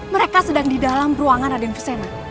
mereka sedang di dalam ruangan raden pusena